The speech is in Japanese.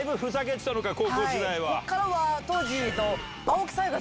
こっからは当時。